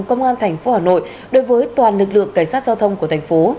công an tp hà nội đối với toàn lực lượng cảnh sát giao thông của tp